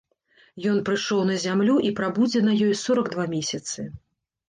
Ён прыйшоў на зямлю і прабудзе на ёй сорак два месяцы.